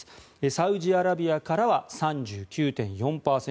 サウジアラビアからは３９．４％